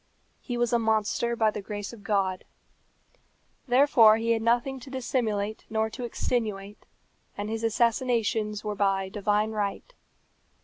He was a monster by the grace of God. Therefore he had nothing to dissimulate nor to extenuate, and his assassinations were by divine right.